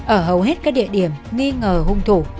ở hầu hết các địa điểm nghi ngờ hung thủ